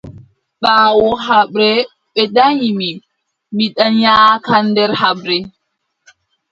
Ɓaawo haɓre ɓe danyi mi, mi danyaaka nder haɓre.